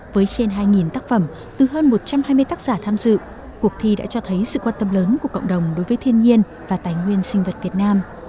với trên hai tác phẩm từ hơn một trăm hai mươi tác giả tham dự cuộc thi đã cho thấy sự quan tâm lớn của cộng đồng đối với thiên nhiên và tài nguyên sinh vật việt nam